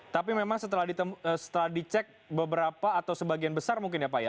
tapi memang setelah dicek beberapa atau sebagian besar mungkin ya pak ya